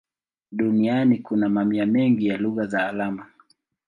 Duniani kuna mamia mengi ya lugha za alama.